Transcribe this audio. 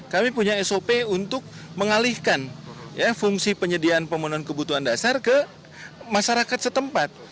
kami punya sop untuk mengalihkan fungsi penyediaan pemenuhan kebutuhan dasar ke masyarakat setempat